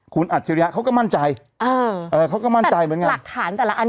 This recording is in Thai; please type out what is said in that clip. คุณอัจฉริยะเขาก็มั่นใจเขาก็มั่นใจเหมือนกันหลักฐานแต่ละอัน